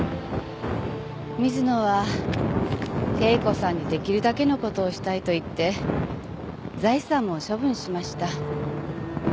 水野は圭子さんに出来るだけの事をしたいと言って財産も処分しました。